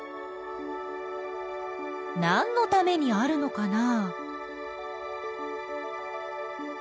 なんのためにあるのかな？